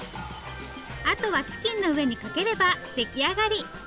あとはチキンの上にかければ出来上がり！